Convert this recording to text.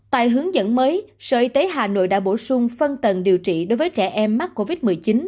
tại hướng dẫn mới sở y tế hà nội đã bổ sung phân tầng điều trị đối với trẻ em mắc covid một mươi chín